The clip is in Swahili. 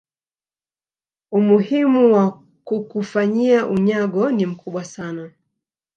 umuhimu wa kukufanyia unyago ni mkubwa sana